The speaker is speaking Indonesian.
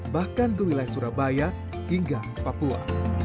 bahkan ke wilayah surabaya hingga papua